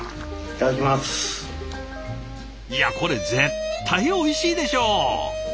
いやこれ絶対おいしいでしょう！